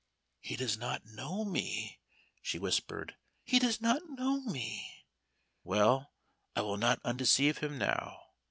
"He does not know me," she whispered "he does not know me. Well, I will not undeceive him now.